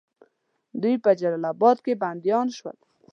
دوی په جلال آباد کې بندیان شول.